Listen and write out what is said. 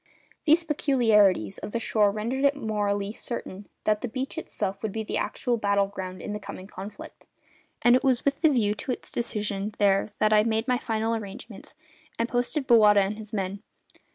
These peculiarities of the shore rendered it morally certain that the beach itself would be the actual battle ground in the coming conflict; and it was with the view to its decision there that I made my final arrangements, and posted Bowata and his men.